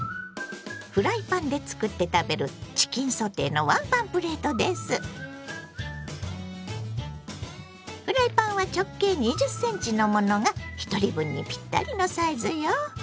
フライパンで作って食べるフライパンは直径２０ｃｍのものがひとり分にぴったりのサイズよ。